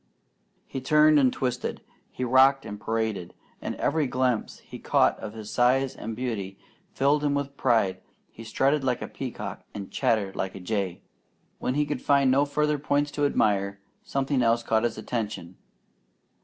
He turned and twisted. He rocked and paraded, and every glimpse he caught of his size and beauty filled him with pride. He strutted like a peacock and chattered like a jay. When he could find no further points to admire, something else caught his attention.